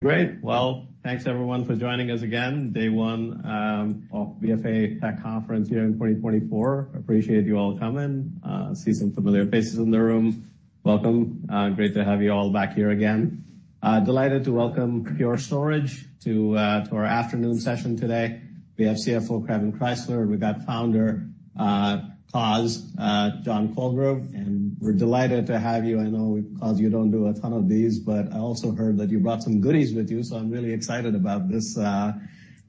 Great. Well, thanks everyone for joining us again. Day one of BofA Tech Conference here in 2024. Appreciate you all coming. I see some familiar faces in the room. Welcome. Great to have you all back here again. Delighted to welcome Pure Storage to our afternoon session today. We have CFO Kevan Krysler, and we've got founder Coz, John Colgrove. And we're delighted to have you. I know, Coz, you don't do a ton of these, but I also heard that you brought some goodies with you, so I'm really excited about this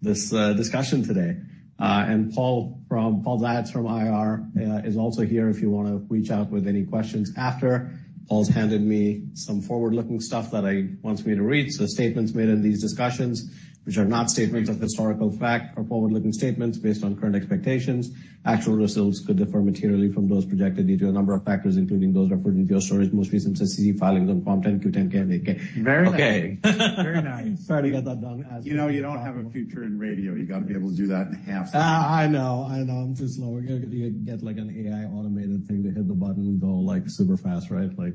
discussion today. And Paul Ziots from IR is also here if you want to reach out with any questions after. Paul's handed me some forward-looking stuff that he wants me to read. So statements made in these discussions, which are not statements of historical fact or forward-looking statements based on current expectations, actual results could differ materially from those projected due to a number of factors, including those referred in Pure Storage's most recent SEC filings on Forms 10-Q, 10-K, and 8-K. Very nice. Okay. Very nice. Sorry to get that done as well. You know, you don't have a future in radio. You've got to be able to do that in half-step. I know. I know. I'm too slow. We're going to get like an AI automated thing to hit the button and go like super fast, right? Like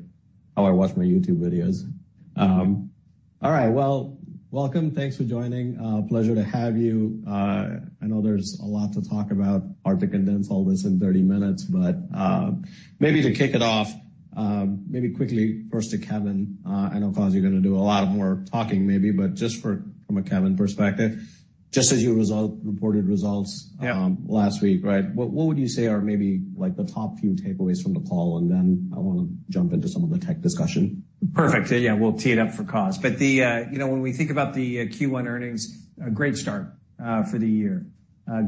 how I watch my YouTube videos. All right. Well, welcome. Thanks for joining. Pleasure to have you. I know there's a lot to talk about, hard to condense all this in 30 minutes, but maybe to kick it off, maybe quickly first to Kevan. I know, Coz, you're going to do a lot of more talking maybe, but just from a Kevan perspective, just as you reported results last week, right? What would you say are maybe like the top few takeaways from the call? And then I want to jump into some of the tech discussion. Perfect. Yeah, we'll tee it up for Coz. But when we think about the Q1 earnings, a great start for the year.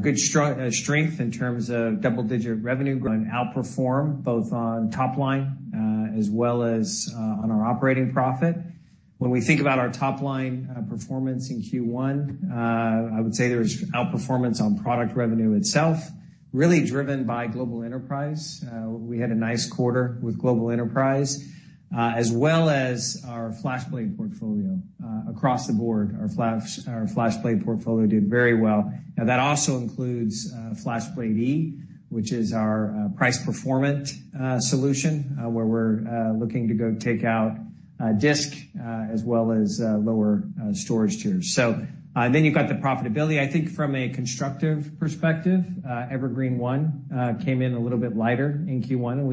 Good strength in terms of double-digit revenue. And outperform both on top line as well as on our operating profit. When we think about our top line performance in Q1, I would say there's outperformance on product revenue itself, really driven by Global Enterprise. We had a nice quarter with Global Enterprise, as well as our FlashBlade portfolio. Across the board, our FlashBlade portfolio did very well. Now, that also includes FlashBlade//E, which is our price-performant solution, where we're looking to go take out disk as well as lower storage tiers. So then you've got the profitability. I think from a constructive perspective, Evergreen//One came in a little bit lighter in Q1, and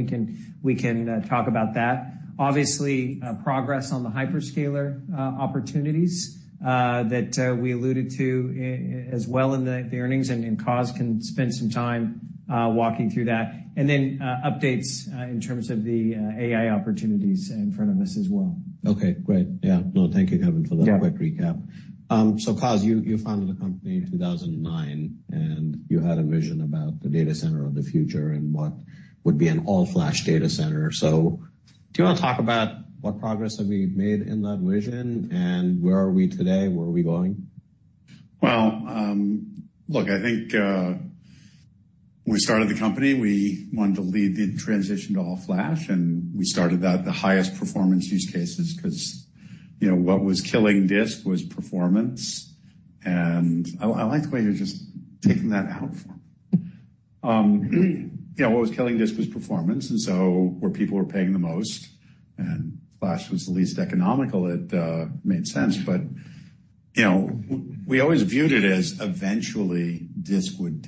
we can talk about that. Obviously, progress on the hyperscaler opportunities that we alluded to as well in the earnings, and Coz can spend some time walking through that. Then updates in terms of the AI opportunities in front of us as well. Okay. Great. Yeah. No, thank you, Kevan, for that quick recap. So Coz, you founded the company in 2009, and you had a vision about the data center of the future and what would be an all-flash data center. So do you want to talk about what progress have we made in that vision, and where are we today? Where are we going? Well, look, I think when we started the company, we wanted to lead the transition to all-flash, and we started that with the highest performance use cases because what was killing disk was performance. And I like the way you're just taking that out for me. What was killing disk was performance. And so where people were paying the most and flash was the least economical, it made sense. But we always viewed it as eventually disk would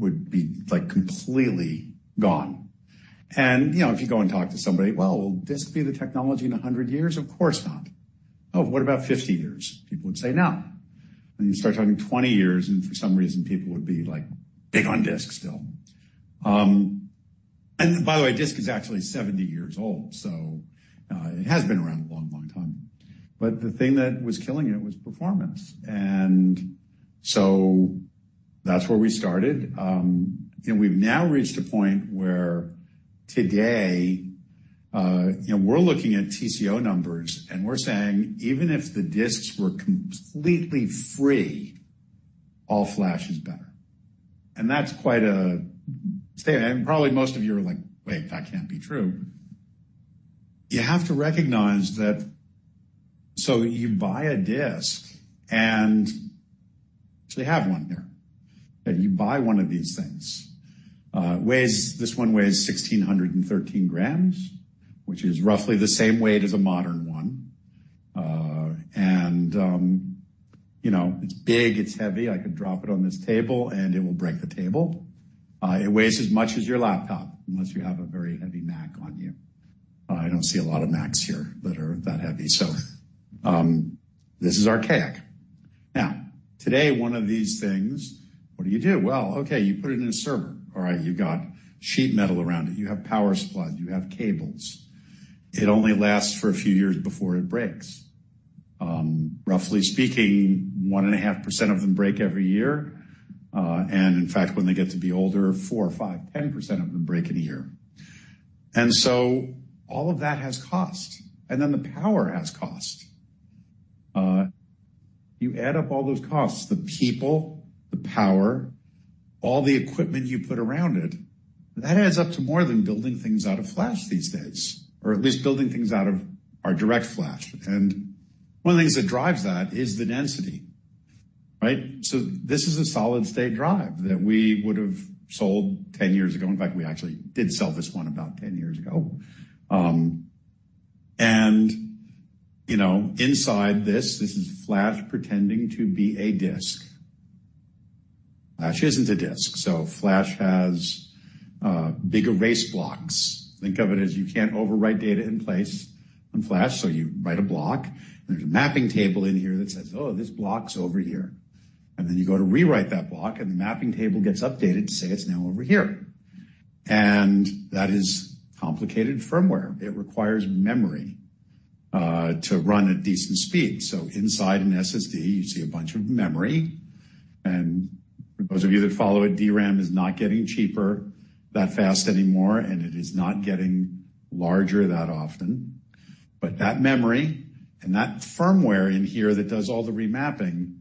be completely gone. And if you go and talk to somebody, "Well, will disk be the technology in 100 years?" Of course not. "Oh, what about 50 years?" People would say, "No." And you start talking 20 years, and for some reason, people would be like, "Big on disk still." And by the way, disk is actually 70 years old, so it has been around a long, long time. But the thing that was killing it was performance. And so that's where we started. We've now reached a point where today we're looking at TCO numbers, and we're saying, "Even if the disks were completely free, all-flash is better." And that's quite a statement. And probably most of you are like, "Wait, that can't be true." You have to recognize that, so you buy a disk, and actually have one here. You buy one of these things. This one weighs 1,613 grams, which is roughly the same weight as a modern one. And it's big, it's heavy. I could drop it on this table, and it will break the table. It weighs as much as your laptop unless you have a very heavy Mac on you. I don't see a lot of Macs here that are that heavy. So this is archaic. Now, today, one of these things, what do you do? Well, okay, you put it in a server. All right. You've got sheet metal around it. You have power supplies. You have cables. It only lasts for a few years before it breaks. Roughly speaking, 1.5% of them break every year. And in fact, when they get to be older, 4%, 5%, 10% of them break in a year. And so all of that has cost. And then the power has cost. You add up all those costs, the people, the power, all the equipment you put around it, that adds up to more than building things out of flash these days, or at least building things out of our DirectFlash. And one of the things that drives that is the density, right? So this is a solid-state drive that we would have sold 10 years ago. In fact, we actually did sell this one about 10 years ago. And inside this, this is flash pretending to be a disk. Flash isn't a disk. So flash has big erase blocks. Think of it as you can't overwrite data in place on flash, so you write a block. There's a mapping table in here that says, "Oh, this block's over here." And then you go to rewrite that block, and the mapping table gets updated to say it's now over here. And that is complicated firmware. It requires memory to run at decent speed. So inside an SSD, you see a bunch of memory. And for those of you that follow it, DRAM is not getting cheaper that fast anymore, and it is not getting larger that often. But that memory and that firmware in here that does all the remapping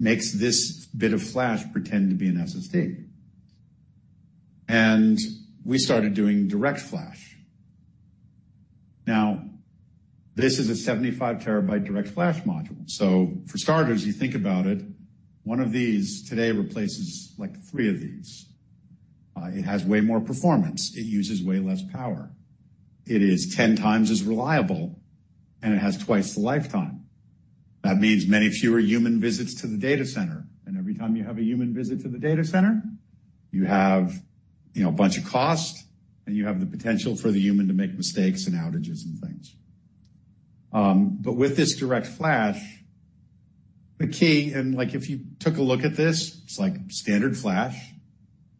makes this bit of flash pretend to be an SSD. And we started doing DirectFlash. Now, this is a 75 TB DirectFlash Module. So for starters, you think about it, one of these today replaces like three of these. It has way more performance. It uses way less power. It is 10 times as reliable, and it has twice the lifetime. That means many fewer human visits to the data center. And every time you have a human visit to the data center, you have a bunch of costs, and you have the potential for the human to make mistakes and outages and things. But with this DirectFlash, the key, and if you took a look at this, it's like standard flash,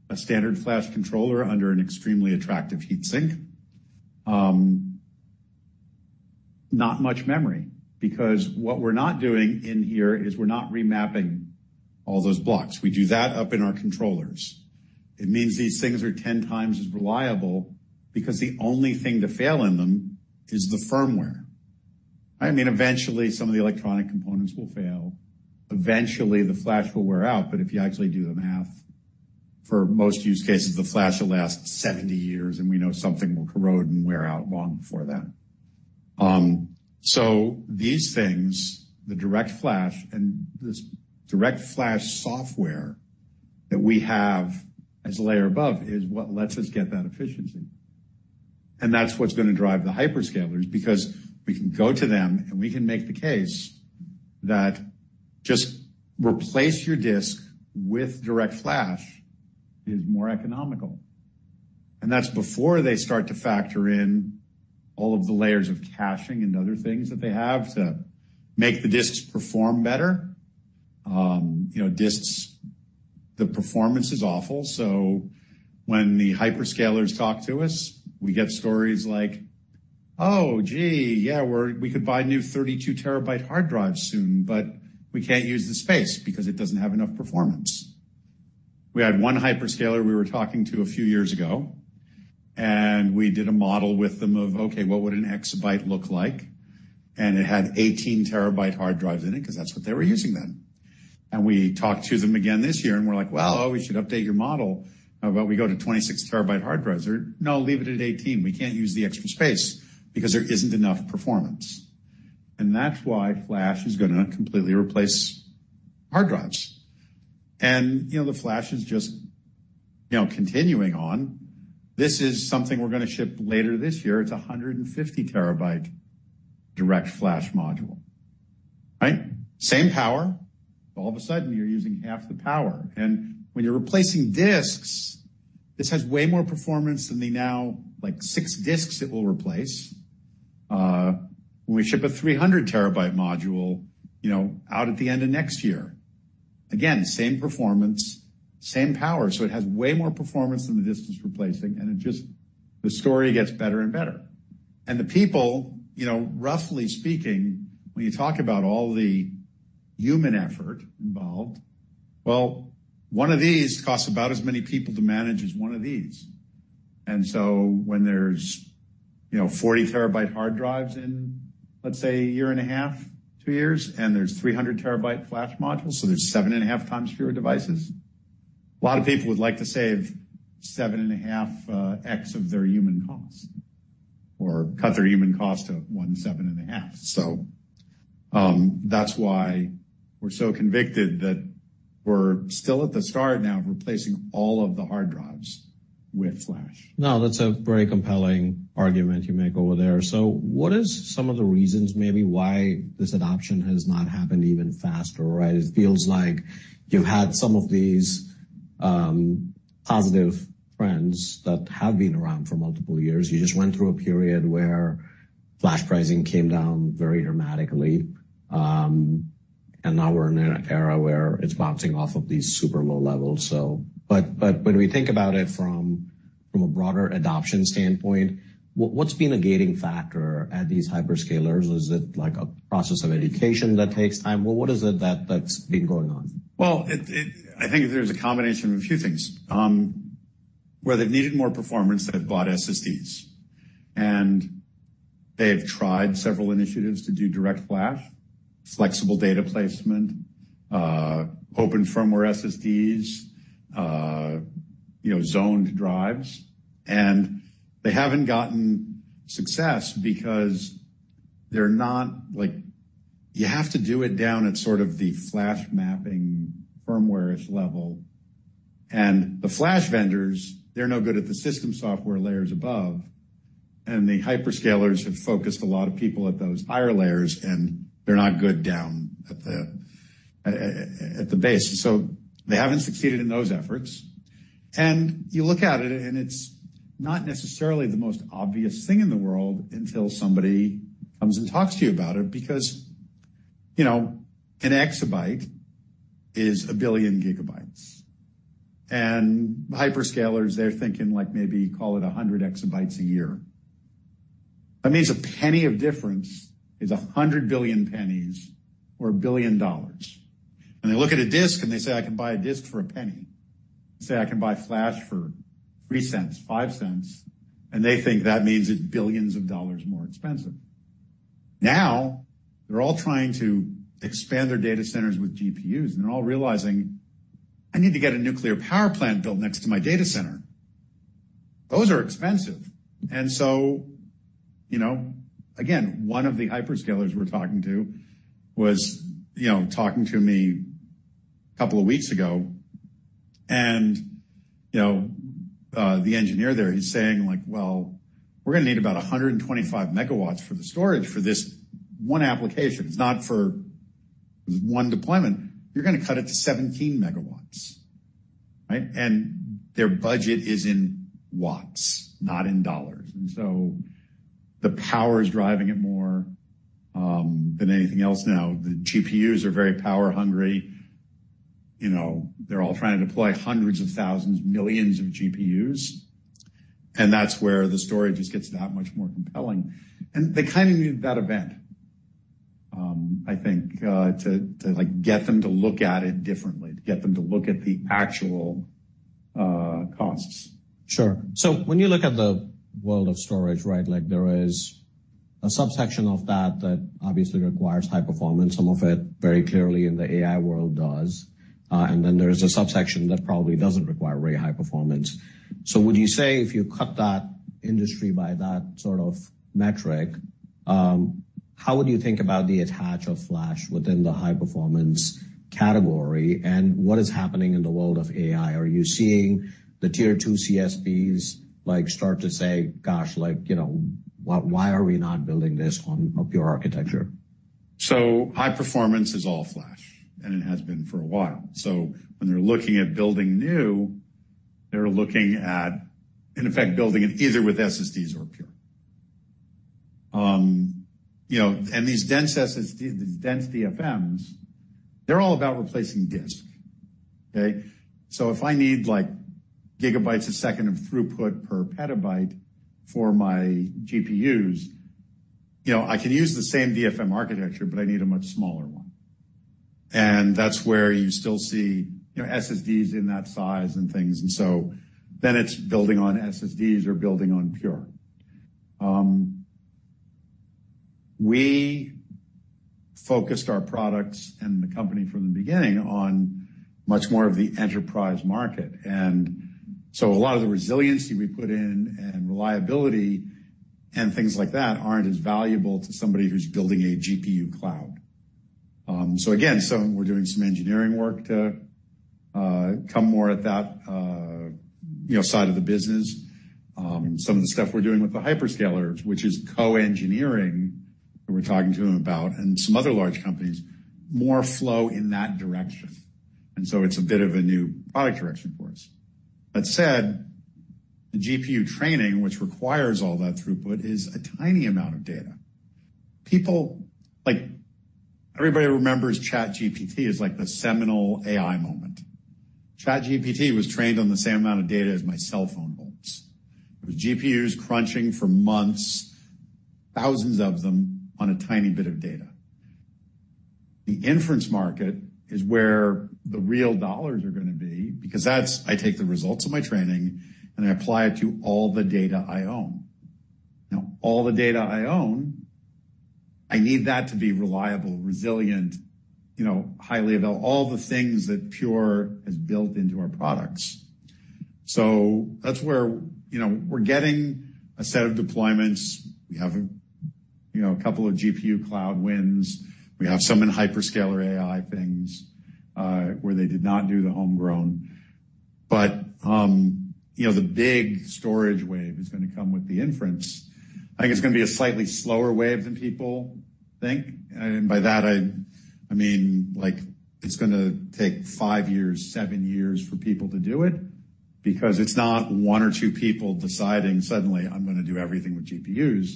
a standard flash controller under an extremely attractive heat sink. Not much memory because what we're not doing in here is we're not remapping all those blocks. We do that up in our controllers. It means these things are 10 times as reliable because the only thing to fail in them is the firmware. I mean, eventually, some of the electronic components will fail. Eventually, the flash will wear out. But if you actually do the math, for most use cases, the flash will last 70 years, and we know something will corrode and wear out long before that. So these things, the DirectFlash, and this DirectFlash software that we have as a layer above is what lets us get that efficiency. And that's what's going to drive the hyperscalers because we can go to them, and we can make the case that just replace your disk with DirectFlash is more economical. And that's before they start to factor in all of the layers of caching and other things that they have to make the disks perform better. Disks, the performance is awful. So when the hyperscalers talk to us, we get stories like, "Oh, gee, yeah, we could buy new 32 TB hard drives soon, but we can't use the space because it doesn't have enough performance." We had one hyperscaler we were talking to a few years ago, and we did a model with them of, "Okay, what would an exabyte look like?" And it had 18 TB hard drives in it because that's what they were using then. And we talked to them again this year, and we're like, "Well, we should update your model." How about we go to 26 TB hard drives? They're, "No, leave it at 18 TB. We can't use the extra space because there isn't enough performance." And that's why flash is going to completely replace hard drives. And the flash is just continuing on. This is something we're going to ship later this year. It's a 150 TB DirectFlash Module, right? Same power. All of a sudden, you're using half the power. And when you're replacing disks, this has way more performance than the now like six disks it will replace. When we ship a 300 TB module out at the end of next year, again, same performance, same power. So it has way more performance than the disks it's replacing, and the story gets better and better. And the people, roughly speaking, when you talk about all the human effort involved, well, one of these costs about as many people to manage as one of these. And so when there's 40 TB hard drives in, let's say, 1.5 years, 2 years, and there's 300 TB flash modules, so there's 7.5 times fewer devices, a lot of people would like to save 7.5x of their human cost or cut their human cost to 1/7.5. So that's why we're so convicted that we're still at the start now of replacing all of the hard drives with flash. No, that's a very compelling argument you make over there. So what is some of the reasons maybe why this adoption has not happened even faster, right? It feels like you've had some of these positive trends that have been around for multiple years. You just went through a period where flash pricing came down very dramatically. And now we're in an era where it's bouncing off of these super low levels. But when we think about it from a broader adoption standpoint, what's been a gating factor at these hyperscalers? Is it like a process of education that takes time? What is it that's been going on? Well, I think there's a combination of a few things. Where they've needed more performance, they've bought SSDs. And they've tried several initiatives to do DirectFlash, flexible data placement, open firmware SSDs, zoned drives. And they haven't gotten success because they're not like you have to do it down at sort of the flash mapping firmware level. And the flash vendors, they're no good at the system software layers above. And the hyperscalers have focused a lot of people at those higher layers, and they're not good down at the base. And so they haven't succeeded in those efforts. And you look at it, and it's not necessarily the most obvious thing in the world until somebody comes and talks to you about it because an exabyte is a billion gigabytes. And hyperscalers, they're thinking like maybe call it 100 exabytes a year. That means a penny of difference is 100 billion pennies or $1 billion. And they look at a disk, and they say, "I can buy a disk for a penny." They say, "I can buy flash for $0.03, $0.05." And they think that means it's billions of dollars more expensive. Now, they're all trying to expand their data centers with GPUs, and they're all realizing, "I need to get a nuclear power plant built next to my data center." Those are expensive. And so, again, one of the hyperscalers we're talking to was talking to me a couple of weeks ago. And the engineer there, he's saying, "Well, we're going to need about 125 MW for the storage for this one application. It's not for one deployment. You're going to cut it to 17 MW." And their budget is in watts, not in dollars. The power is driving it more than anything else now. The GPUs are very power-hungry. They're all trying to deploy hundreds of thousands, millions of GPUs. That's where the storage just gets that much more compelling. They kind of needed that event, I think, to get them to look at it differently, to get them to look at the actual costs. Sure. So when you look at the world of storage, right, there is a subsection of that that obviously requires high performance. Some of it, very clearly, in the AI world does. And then there is a subsection that probably doesn't require very high performance. So would you say if you cut that industry by that sort of metric, how would you think about the attach of flash within the high-performance category? And what is happening in the world of AI? Are you seeing the tier-two CSPs start to say, "Gosh, why are we not building this on a Pure architecture? So high performance is all flash, and it has been for a while. So when they're looking at building new, they're looking at, in effect, building it either with SSDs or pure. And these dense DFMs, they're all about replacing disk, okay? So if I need gigabytes a second of throughput per petabyte for my GPUs, I can use the same DFM architecture, but I need a much smaller one. And that's where you still see SSDs in that size and things. And so then it's building on SSDs or building on pure. We focused our products and the company from the beginning on much more of the enterprise market. And so a lot of the resiliency we put in and reliability and things like that aren't as valuable to somebody who's building a GPU cloud. So again, we're doing some engineering work to come more at that side of the business. Some of the stuff we're doing with the hyperscalers, which is co-engineering that we're talking to them about, and some other large companies, more flow in that direction. And so it's a bit of a new product direction for us. That said, the GPU training, which requires all that throughput, is a tiny amount of data. Everybody remembers ChatGPT as like the seminal AI moment. ChatGPT was trained on the same amount of data as my cell phone holds. It was GPUs crunching for months, thousands of them on a tiny bit of data. The inference market is where the real dollars are going to be because I take the results of my training, and I apply it to all the data I own. Now, all the data I own, I need that to be reliable, resilient, highly available, all the things that Pure has built into our products. So that's where we're getting a set of deployments. We have a couple of GPU cloud wins. We have some in hyperscaler AI things where they did not do the homegrown. But the big storage wave is going to come with the inference. I think it's going to be a slightly slower wave than people think. And by that, I mean it's going to take five years, seven years for people to do it because it's not one or two people deciding suddenly, "I'm going to do everything with GPUs."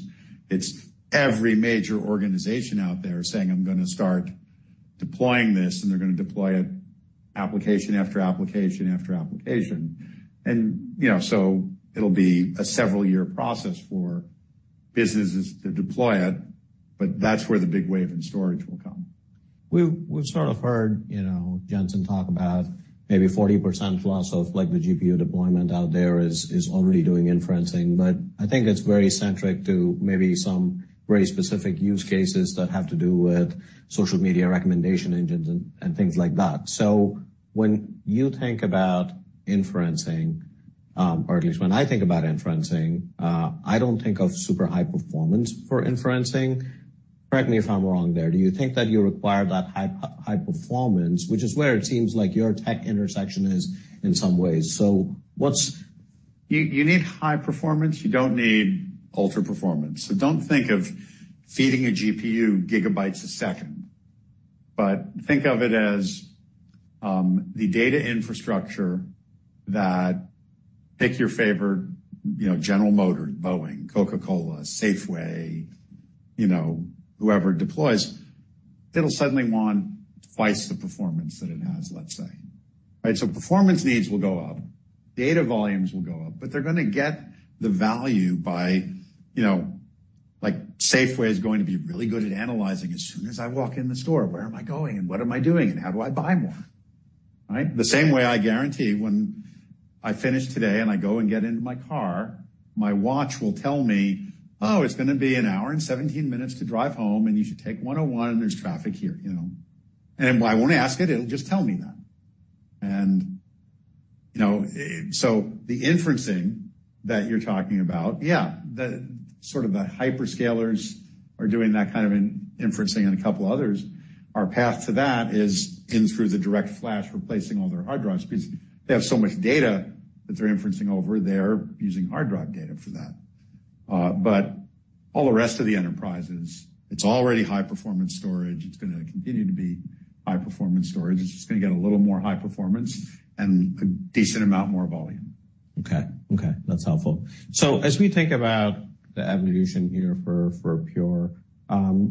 It's every major organization out there saying, "I'm going to start deploying this," and they're going to deploy it application after application after application. And so it'll be a several-year process for businesses to deploy it, but that's where the big wave in storage will come. We've sort of heard Jensen talk about maybe 40%+ of the GPU deployment out there is already doing inferencing. But I think it's very centric to maybe some very specific use cases that have to do with social media recommendation engines and things like that. So when you think about inferencing, or at least when I think about inferencing, I don't think of super high performance for inferencing. Correct me if I'm wrong there. Do you think that you require that high performance, which is where it seems like your tech intersection is in some ways? So what's. You need high performance. You don't need ultra performance. So don't think of feeding a GPU gigabytes a second, but think of it as the data infrastructure that, pick your favorite General Motors, Boeing, Coca-Cola, Safeway, whoever deploys. It'll suddenly want twice the performance that it has, let's say, right? So performance needs will go up. Data volumes will go up, but they're going to get the value by Safeway is going to be really good at analyzing as soon as I walk in the store, where am I going, and what am I doing, and how do I buy more, right? The same way I guarantee when I finish today and I go and get into my car, my watch will tell me, "Oh, it's going to be 1 hour and 17 minutes to drive home, and you should take 101, and there's traffic here." And I won't ask it. It'll just tell me that. And so the inferencing that you're talking about, yeah, sort of that hyperscalers are doing that kind of inferencing and a couple others. Our path to that is in through the DirectFlash, replacing all their hard drives because they have so much data that they're inferencing over there, using hard drive data for that. But all the rest of the enterprises, it's already high-performance storage. It's going to continue to be high-performance storage. It's just going to get a little more high performance and a decent amount more volume. Okay. Okay. That's helpful. So as we think about the evolution here for Pure, how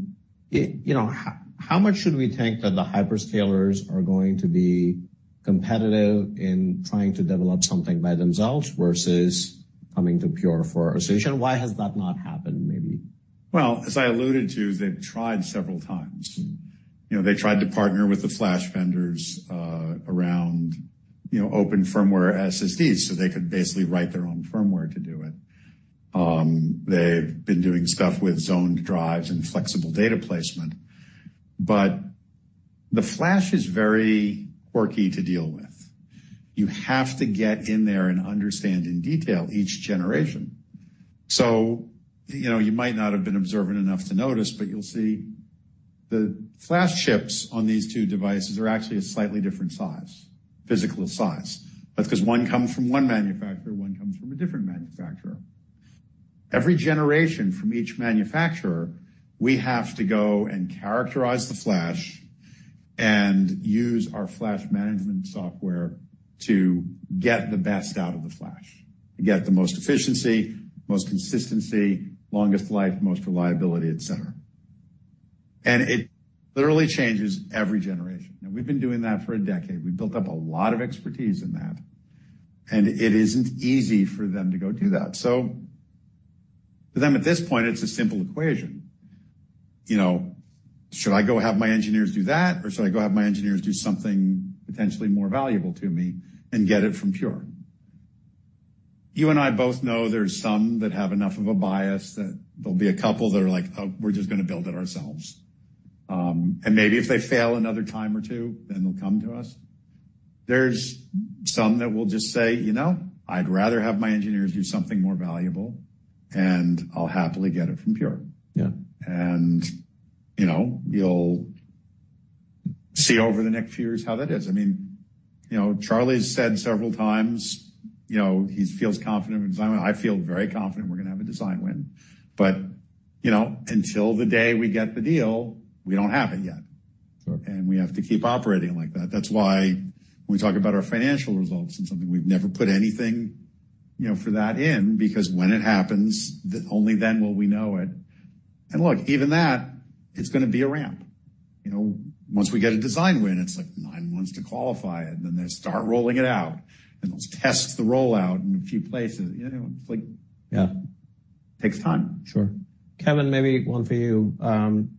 much should we think that the hyperscalers are going to be competitive in trying to develop something by themselves versus coming to Pure for a solution? Why has that not happened maybe? Well, as I alluded to, they've tried several times. They tried to partner with the flash vendors around open firmware SSDs so they could basically write their own firmware to do it. They've been doing stuff with zoned drives and flexible data placement. But the flash is very quirky to deal with. You have to get in there and understand in detail each generation. So you might not have been observant enough to notice, but you'll see the flash chips on these two devices are actually a slightly different size, physical size. That's because one comes from one manufacturer, one comes from a different manufacturer. Every generation from each manufacturer, we have to go and characterize the flash and use our flash management software to get the best out of the flash, get the most efficiency, most consistency, longest life, most reliability, etc. And it literally changes every generation. And we've been doing that for a decade. We've built up a lot of expertise in that. And it isn't easy for them to go do that. So for them, at this point, it's a simple equation. Should I go have my engineers do that, or should I go have my engineers do something potentially more valuable to me and get it from Pure? You and I both know there's some that have enough of a bias that there'll be a couple that are like, "Oh, we're just going to build it ourselves." And maybe if they fail another time or two, then they'll come to us. There's some that will just say, "I'd rather have my engineers do something more valuable, and I'll happily get it from Pure." And you'll see over the next few years how that is. I mean, Charlie's said several times he feels confident in design. I feel very confident we're going to have a design win. But until the day we get the deal, we don't have it yet. And we have to keep operating like that. That's why when we talk about our financial results and something, we've never put anything for that in because when it happens, only then will we know it. And look, even that, it's going to be a ramp. Once we get a design win, it's like nine months to qualify it, and then they start rolling it out. And they'll test the rollout in a few places. It takes time. Sure. Kevan, maybe one for you.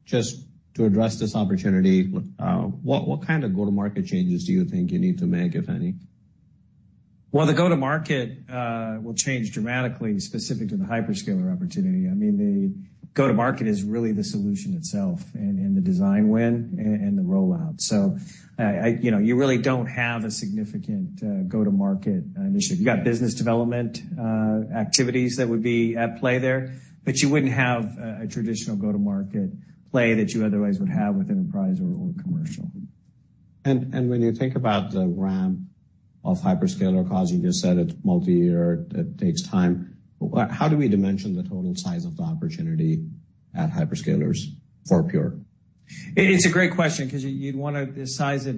Just to address this opportunity, what kind of go-to-market changes do you think you need to make, if any? Well, the go-to-market will change dramatically specific to the hyperscaler opportunity. I mean, the go-to-market is really the solution itself and the design win and the rollout. So you really don't have a significant go-to-market initiative. You've got business development activities that would be at play there, but you wouldn't have a traditional go-to-market play that you otherwise would have with enterprise or commercial. When you think about the ramp of hyperscaler, Coz, you just said it's multi-year. It takes time. How do we dimension the total size of the opportunity at hyperscalers for Pure? It's a great question because you'd want to size it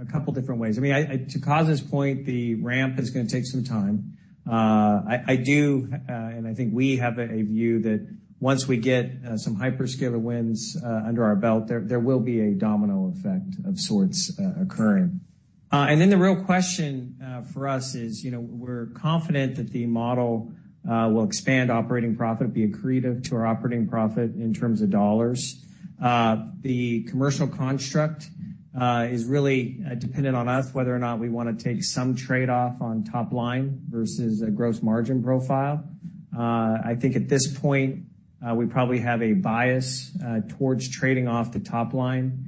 a couple of different ways. I mean, to Coz's point, the ramp is going to take some time. I do, and I think we have a view that once we get some hyperscaler wins under our belt, there will be a domino effect of sorts occurring. And then the real question for us is we're confident that the model will expand operating profit, be accretive to our operating profit in terms of dollars. The commercial construct is really dependent on us whether or not we want to take some trade-off on top line versus a gross margin profile. I think at this point, we probably have a bias towards trading off the top line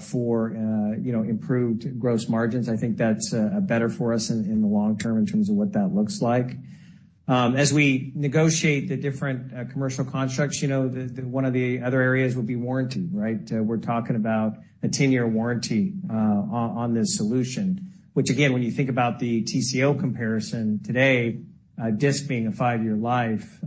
for improved gross margins. I think that's better for us in the long term in terms of what that looks like. As we negotiate the different commercial constructs, one of the other areas would be warranty, right? We're talking about a 10-year warranty on this solution, which, again, when you think about the TCO comparison today, disk being a 5-year life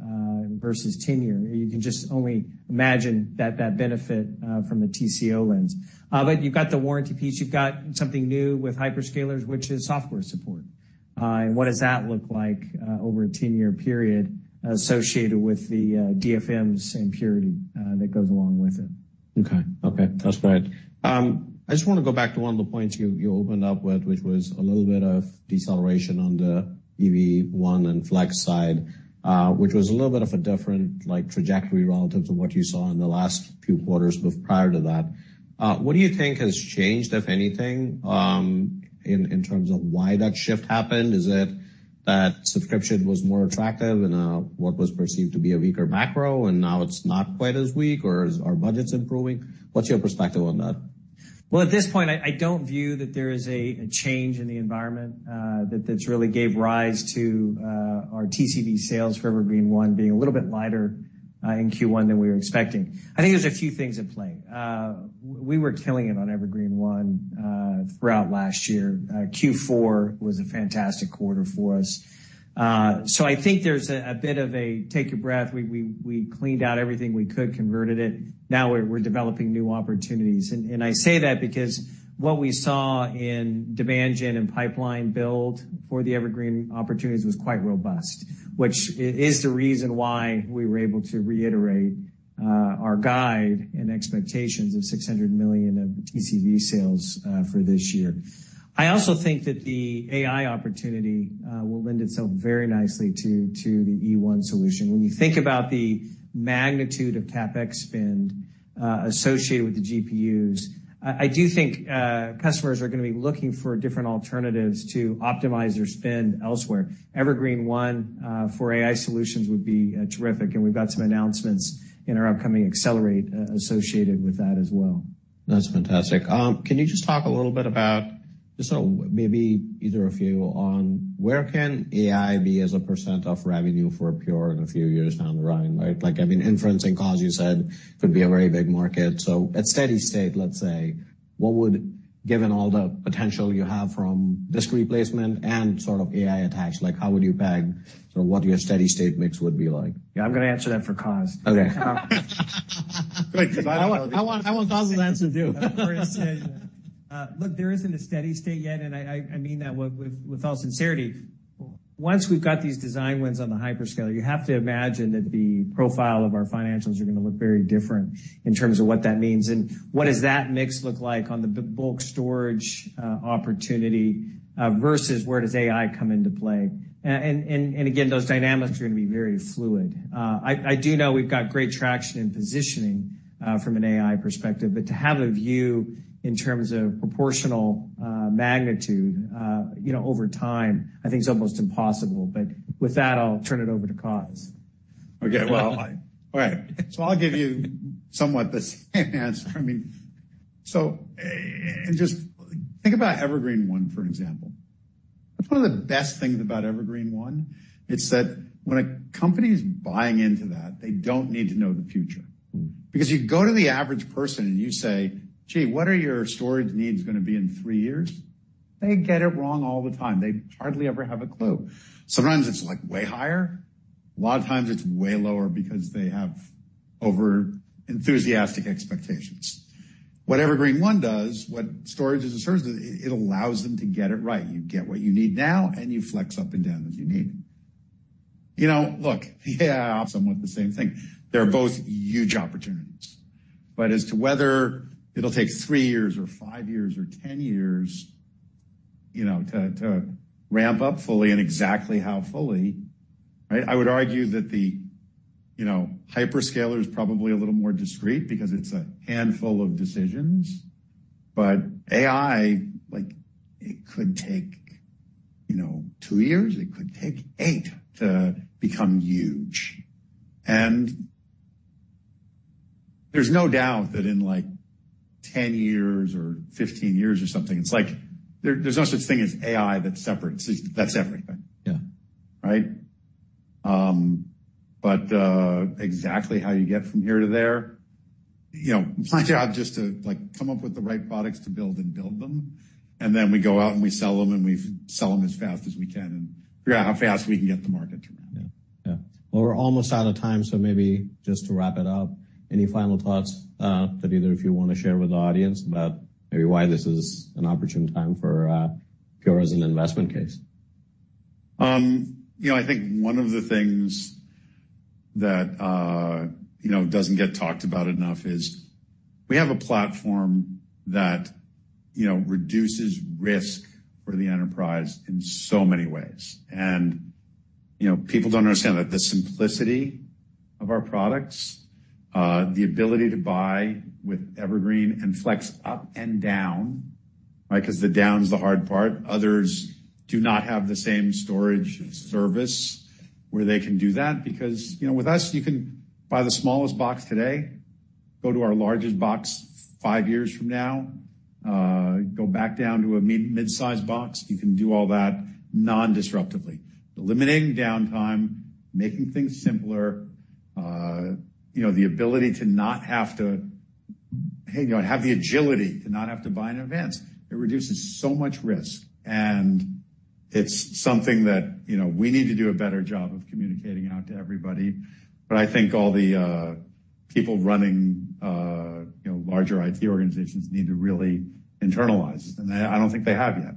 versus 10-year, you can just only imagine that benefit from the TCO lens. But you've got the warranty piece. You've got something new with hyperscalers, which is software support. And what does that look like over a 10-year period associated with the DFMs and Purity that goes along with it? Okay. Okay. That's great. I just want to go back to one of the points you opened up with, which was a little bit of deceleration on the Evergreen//One and Flex side, which was a little bit of a different trajectory relative to what you saw in the last few quarters prior to that. What do you think has changed, if anything, in terms of why that shift happened? Is it that subscription was more attractive in what was perceived to be a weaker macro, and now it's not quite as weak, or are budgets improving? What's your perspective on that? Well, at this point, I don't view that there is a change in the environment that really gave rise to our TCV sales, for Evergreen//One, being a little bit lighter in Q1 than we were expecting. I think there's a few things at play. We were killing it on Evergreen//One throughout last year. Q4 was a fantastic quarter for us. So I think there's a bit of a take a breath. We cleaned out everything we could, converted it. Now we're developing new opportunities. And I say that because what we saw in demand gen and pipeline build for the Evergreen opportunities was quite robust, which is the reason why we were able to reiterate our guide and expectations of $600 million of TCV sales for this year. I also think that the AI opportunity will lend itself very nicely to the E1 solution. When you think about the magnitude of CapEx spend associated with the GPUs, I do think customers are going to be looking for different alternatives to optimize their spend elsewhere. Evergreen//One for AI solutions would be terrific. We've got some announcements in our upcoming Accelerate associated with that as well. That's fantastic. Can you just talk a little bit about just maybe either of you on where can AI be as a percent of revenue for Pure in a few years down the line, right? I mean, inferencing, Coz, you said, could be a very big market. So at steady state, let's say, given all the potential you have from disk replacement and sort of AI attached, how would you peg what your steady state mix would be like? Yeah, I'm going to answer that for Coz. Okay. I want Coz's answer too. Look, there isn't a steady state yet, and I mean that with all sincerity. Once we've got these design wins on the hyperscaler, you have to imagine that the profile of our financials are going to look very different in terms of what that means. And what does that mix look like on the bulk storage opportunity versus where does AI come into play? And again, those dynamics are going to be very fluid. I do know we've got great traction in positioning from an AI perspective, but to have a view in terms of proportional magnitude over time, I think it's almost impossible. But with that, I'll turn it over to Coz. Okay. Well, all right. So I'll give you somewhat the same answer. I mean, so just think about Evergreen//One, for example. That's one of the best things about Evergreen//One. It's that when a company is buying into that, they don't need to know the future. Because you go to the average person and you say, "Gee, what are your storage needs going to be in three years?" They get it wrong all the time. They hardly ever have a clue. Sometimes it's way higher. A lot of times it's way lower because they have over-enthusiastic expectations. What Evergreen//One does, what storage-as-a-service, it allows them to get it right. You get what you need now, and you flex up and down as you need. Look, yeah. Somewhat the same thing. They're both huge opportunities. But as to whether it'll take three years or five years or 10 years to ramp up fully and exactly how fully, right, I would argue that the hyperscaler is probably a little more discrete because it's a handful of decisions. But AI, it could take two years. It could take 8 to become huge. And there's no doubt that in 10 years or 15 years or something, it's like there's no such thing as AI that's separate. That's everything, right? But exactly how you get from here to there, my job is just to come up with the right products to build and build them. And then we go out and we sell them, and we sell them as fast as we can and figure out how fast we can get the market to ramp. Yeah. Yeah. Well, we're almost out of time, so maybe just to wrap it up, any final thoughts that either of you want to share with the audience about maybe why this is an opportune time for Pure as an investment case? I think one of the things that doesn't get talked about enough is we have a platform that reduces risk for the enterprise in so many ways. And people don't understand that the simplicity of our products, the ability to buy with Evergreen and Flex up and down, right, because the down's the hard part, others do not have the same storage service where they can do that. Because with us, you can buy the smallest box today, go to our largest box five years from now, go back down to a mid-size box. You can do all that non-disruptively, eliminating downtime, making things simpler, the ability to not have to have the agility to not have to buy in advance. It reduces so much risk. And it's something that we need to do a better job of communicating out to everybody. But I think all the people running larger IT organizations need to really internalize this. And I don't think they have yet.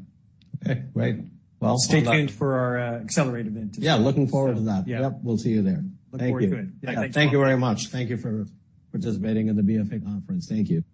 Okay. Great. Well, stay tuned for our accelerate event. Yeah, looking forward to that. Yep. We'll see you there. Looking forward to it. Thank you very much. Thank you for participating in the BofA conference. Thank you.